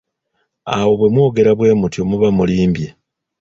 Awo bwe mwogera bwemutyo muba mulimbye.